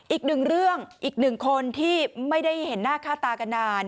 อีกหนึ่งเรื่องอีกหนึ่งคนที่ไม่ได้เห็นหน้าค่าตากันนาน